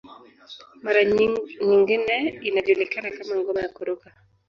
Mara nyingine inajulikana kama ngoma ya kuruka